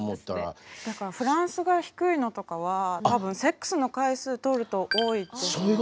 だからフランスが低いのとかは多分セックスの回数取ると多いですよね。